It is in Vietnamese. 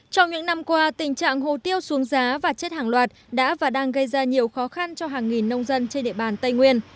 trong những năm qua tình trạng hồ tiêu xuống giá và chết hàng loạt đã và đang gây ra nhiều khó khăn cho hàng nghìn nông dân trên địa bàn tây nguyên